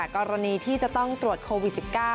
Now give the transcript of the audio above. กรณีที่จะต้องตรวจโควิด๑๙